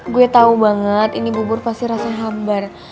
gue tau banget ini bubur pasti rasa hambar